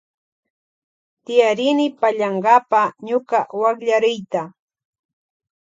Tiyarini pallankapa ñuka wallkariyta.